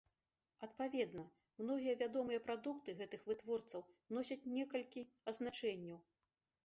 Адпаведна, многія вядомыя прадукты гэтых вытворцаў носяць некалькі азначэнняў.